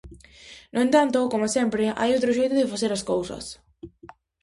No entanto, coma sempre hai outro xeito de facer as cousas.